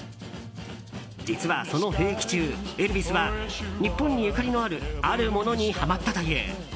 実は、その兵役中エルヴィスは日本にゆかりのあるあるものにはまったという。